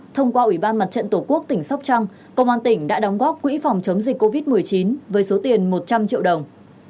thông qua ủy ban mặt trận tổ quốc tỉnh sóc trăng công an tỉnh đã đóng góp quỹ phòng chống dịch covid một mươi chín với số tiền một trăm linh triệu đồng